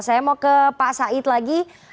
saya mau ke pak said lagi